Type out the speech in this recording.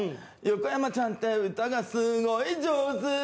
横山さんって歌がすごい上手！